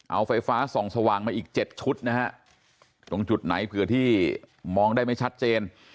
เอาไฟฟ้าส่องสว่างมาอีก๗ชุดนะฮะตรงจุดไหนเผื่อที่มองได้ไม่ชัดเจน